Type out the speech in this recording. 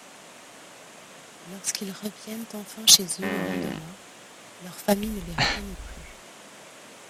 Lorsqu’ils reviennent enfin chez eux, le lendemain, leur famille ne les reconnait plus.